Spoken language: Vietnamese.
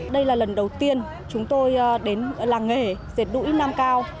đây là lần đầu tiên chúng tôi đến làng nghề dệt đũi nam cao